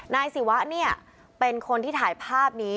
นายศิวะเนี่ยเป็นคนที่ถ่ายภาพนี้